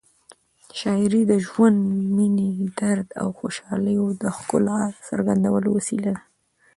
شاعري د ژوند، مینې، درد او خوشحالیو د ښکلا څرګندولو وسیله ده.